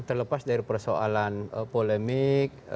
terlepas dari persoalan polemik